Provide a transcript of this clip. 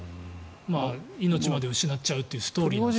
命まで失っちゃうというストーリーなんですかね。